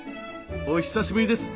お久しぶりです